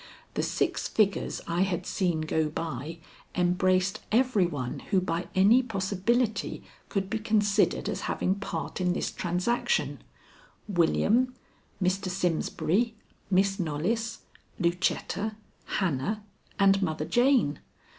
The six figures I had seen go by embraced every one who by any possibility could be considered as having part in this transaction William, Mr. Simsbury, Miss Knollys, Lucetta, Hannah, and Mother Jane.